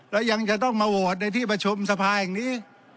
และยังจะต้องมาโหวตในที่ประชุมสภาแห่งนี้